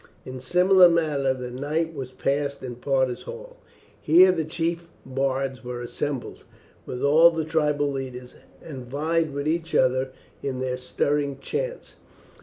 In similar manner the night was passed in Parta's hall. Here the chief bards were assembled, with all the tribal leaders, and vied with each other in their stirring chants.